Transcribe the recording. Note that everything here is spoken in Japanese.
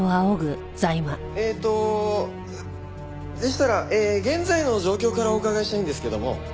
えーっとでしたら現在の状況からお伺いしたいんですけども。